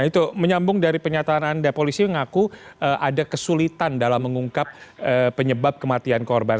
nah itu menyambung dari penyataan anda polisi mengaku ada kesulitan dalam mengungkap penyebab kematian korban